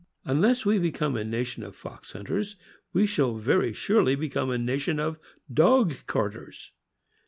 Unless we become a nation of fox hunters, we shall very surely become a nation of dog carters.